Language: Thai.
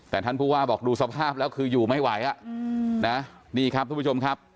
แต่ท่านผู้ว่าบอกดูสภาพแล้วคืออยู่ไม่ไหวอ่ะนะนี่ครับทุกผู้ชมครับ